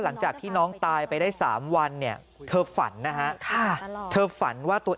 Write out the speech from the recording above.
หลังจากที่น้องตายไปได้สามวันเนี่ยเธอฝันนะฮะค่ะเธอฝันว่าตัวเอง